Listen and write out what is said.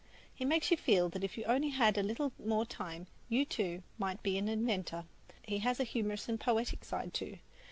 He makes you feel that if you only had a little more time, you, too, might be an inventor. He has a humorous and poetic side, too.